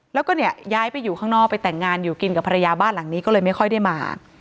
แล้วก็เนี่ยย้ายไปอยู่ข้างนอกไปแต่งงานอยู่กินกับภรรยาบ้านหลังนี้ก็เลยไม่ค่อยได้มา